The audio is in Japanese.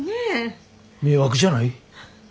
迷惑じゃない。